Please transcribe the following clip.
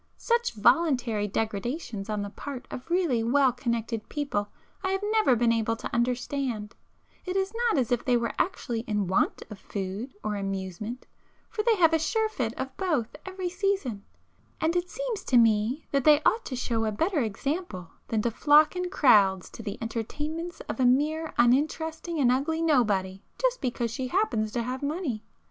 Such voluntary degradations on the part of really well connected people I have never been able to understand,—it is not as if they were actually in want of food or amusement, for they have a surfeit of both every season,—and it seems to me that they ought to show a better example than to flock in crowds to the entertainments of a mere uninteresting and ugly nobody just because she happens to have money.